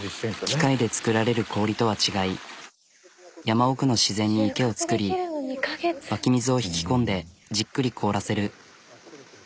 機械で作られる氷とは違い山奥の自然に池を造り湧き水を引き込んでじっくり凍らせる。